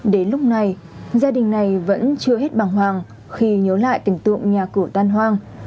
đến lúc này gia đình này vẫn chưa hết bằng hoàng khi nhớ lại cảnh tượng nhà cửa tan hoang